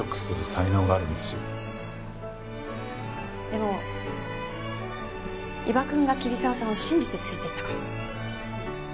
でも伊庭くんが桐沢さんを信じてついていったから。